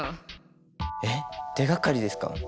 えっ手がかりですか？